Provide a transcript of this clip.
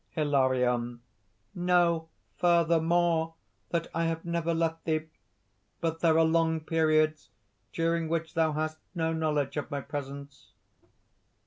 HILARION. "Know further more that I have never left thee. But there are long periods during which thou hast no knowledge of my presence."